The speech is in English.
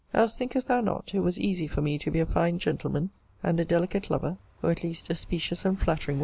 Else, thinkest thou not, it was easy for me to be a fine gentleman, and a delicate lover, or, at least a specious and flattering one?